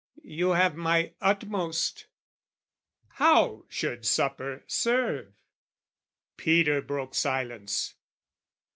"You have my utmost." How should supper serve? Peter broke silence.